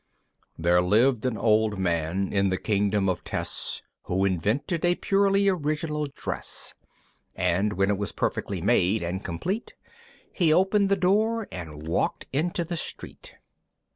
There lived an old man in the Kingdom of Tess, Who invented a purely original dress; And when it was perfectly made and complete, He opened the door, and walked into the street.